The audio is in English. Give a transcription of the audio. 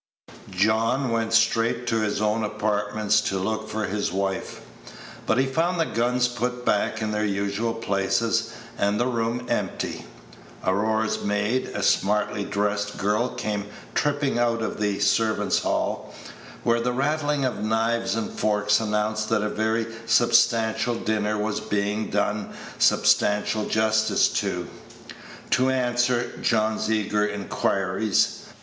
John went straight to his own apartment to look for his wife; but he found the guns put back in their usual places, and the room empty. Aurora's maid, a smartly dressed girl, came tripping out of the servants' hall, where the rattling of knives and forks announced that a very substantial dinner was being done substantial justice to, to answer John's eager inquiries.